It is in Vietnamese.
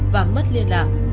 và mất liên lạc